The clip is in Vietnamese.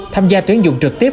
tham gia tuyến dụng trực tiếp